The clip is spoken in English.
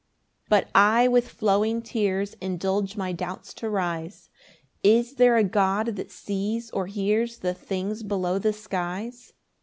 6 But I with flowing tears Indulge my doubts to rise "Is there a God that sees or hears "The things below the skies?"